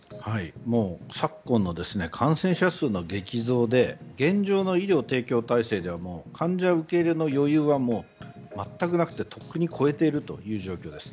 昨今の感染者数の激増で現状の医療提供体制では患者受け入れの余裕は全くなくてとっくに超えている状況です。